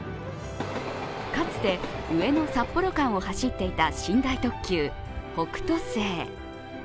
かつて上野−札幌を走っていた寝台特急「北斗星」。